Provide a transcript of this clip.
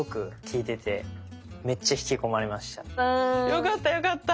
よかったよかった。